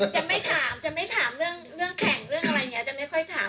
จะไม่ท้าจะไม่ท้าเรื่องแข่งเรื่องอะไรจะไม่ค่อยถาม